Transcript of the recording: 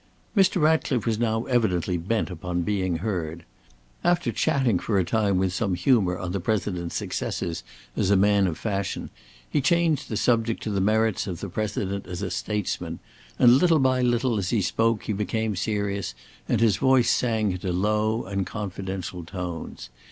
Mr. Ratcliffe was now evidently bent upon being heard. After charting for a time with some humour on the President's successes as a man of fashion, he changed the subject to the merits of the President as a statesman, and little by little as he spoke he became serious and his voice sank into low and confidential tones.